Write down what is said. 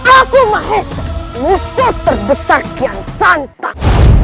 aku mahesha musuh terbesar kian santan